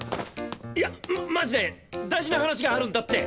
いやママジで大事な話があるんだって。